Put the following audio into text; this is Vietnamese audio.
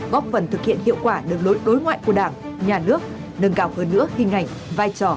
góp phần thực hiện hiệu quả đường lối đối ngoại của đảng nhà nước nâng cao hơn nữa hình ảnh vai trò